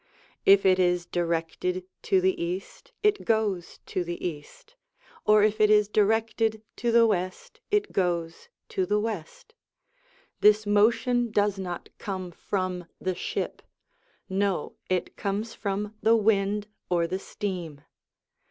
If it is directed to the east, it goes to the east ; or if it is directed to the west, it goes to the west. This motion does not come from the ship ; no, it comes from the wind or the steam.